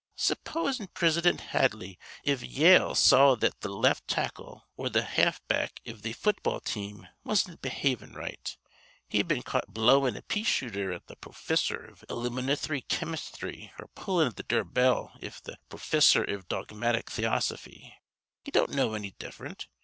Supposin' Prisidint Hadley iv Yale see that th' left tackle or th' half back iv th' football team wasn't behavin' right. He'd been caught blowin' a pea shooter at th' pro fissor iv iliminthry chemisthry, or pullin' th' dure bell iv th' pro fissor iv dogmatic theosophy. He don't know any different.